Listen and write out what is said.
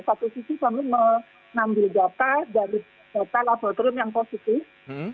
satu sisi kami mengambil data dari data laboratorium yang positif